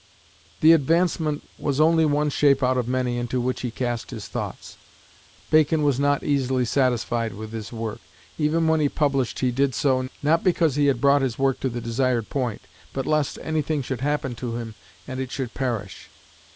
The Advancement was only one shape out of many into which he cast his thoughts. Bacon was not easily satisfied with his work; even when he published he did so, not because he had brought his work to the desired point, but lest anything should happen to him and it should "perish."